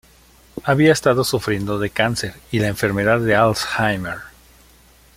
Había estado sufriendo de cáncer y la enfermedad de Alzheimer.